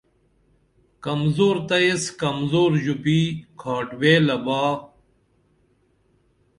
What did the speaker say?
کمزور تہ ایس کمزور ژوپی کھاٹ ویلہ با